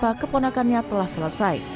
menimpa keponakannya telah selesai